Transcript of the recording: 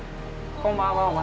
こんばんは。